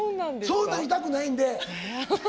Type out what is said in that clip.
そうなりたくないんで。